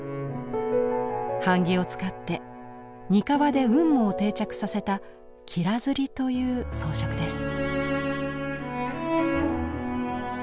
版木を使って膠で雲母を定着させた雲母刷りという装飾です。